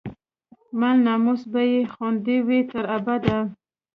مال، ناموس به يې خوندي وي، تر ابده